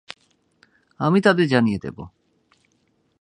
আমি তাদের জানিয়ে দেব।